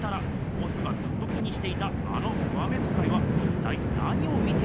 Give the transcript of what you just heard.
ボスがずっと気にしていたあの上目づかいは一体何を見ていたのでしょうか。